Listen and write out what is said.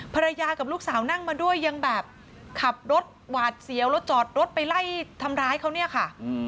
ภรรยากับลูกสาวนั่งมาด้วยยังแบบขับรถหวาดเสียวแล้วจอดรถไปไล่ทำร้ายเขาเนี่ยค่ะ